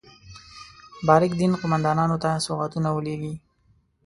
بارک دین قوماندانانو ته سوغاتونه ولېږي.